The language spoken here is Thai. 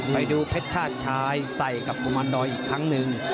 ไปดูเพชรชายใส่กับกุมานดอยอีกครั้งหนึ่ง